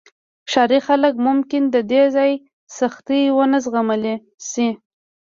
ښاري خلک ممکن د دې ځای سختۍ ونه زغملی شي